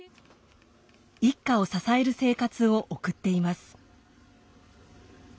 一家を支える生活を送っています。